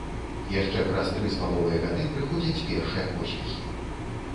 Яшчэ праз тры з паловай гады прыходзяць першыя поспехі.